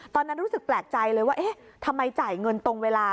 ตอนนั้นรู้สึกแปลกใจเลยว่าเอ๊ะทำไมจ่ายเงินตรงเวลา